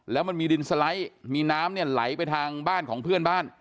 แล้วมันมีดินสไลด์มีน้ำเนี่ยไหลไปทางบ้านของเพื่อนบ้าน